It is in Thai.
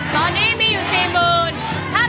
ตอนนี้มีอยู่๔๐๐๐บาท